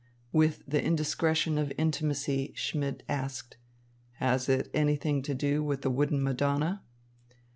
With the indiscretion of intimacy, Schmidt asked: "Has it anything to do with the wooden Madonna?"